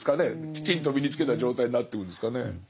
きちんと身につけた状態になってくんですかね。